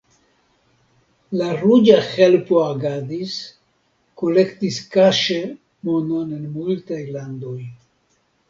La Ruĝa Helpo agadis, kolektis kaŝe monon en multaj landoj.